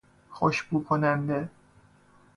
خوشبوکننده